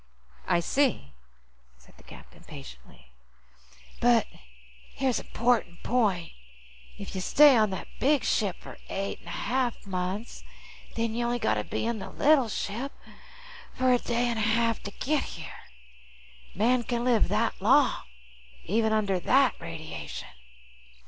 "I see," said the captain patiently. "But and here's a 'mportant point: If you stay on the big ship for eight an' a half months, then y' only got to be in the little ship for a day an' a half to get here. Man can live that long, even under that radiation.